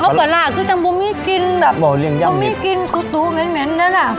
อ้าวปลาร้าคือจังบุมมี่กินแบบบุมมี่กินแม้นนั่นแหละ